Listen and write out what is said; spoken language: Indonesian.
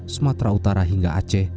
sumatera utara hingga aceh